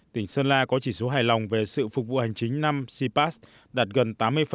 tỉnh sơn la có chỉ số hài lòng về sự phục vụ hành chính năm cpas đạt gần tám mươi